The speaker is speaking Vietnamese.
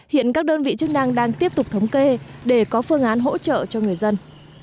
hiện các đơn vị chức năng đang tiếp tục thống kê để có phương án hỗ trợ cho người dân